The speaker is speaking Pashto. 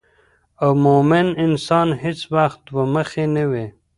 او مومن انسان هیڅ وخت دوه مخې نه وي